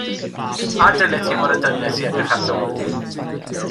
A dylet ti fod â dynes i edrych ar dy ôl di.